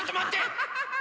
アハハハハ！